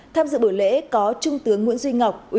tham dự buổi lễ có trung tướng nguyễn duy ngọc